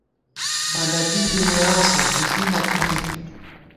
ملَکی کی مېراثہ ، ژِݪی نہ تھنی